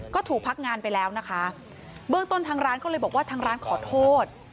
ก็ถูกพักงานไปแล้วนะคะเบื้องต้นทางร้านก็เลยบอกว่าทางร้านขอโทษ